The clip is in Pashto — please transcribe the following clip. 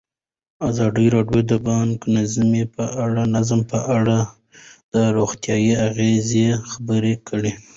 ازادي راډیو د بانکي نظام په اړه د روغتیایي اغېزو خبره کړې.